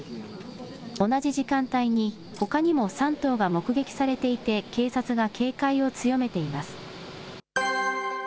同じ時間帯にほかにも３頭が目撃されていて、警察が警戒を強めています。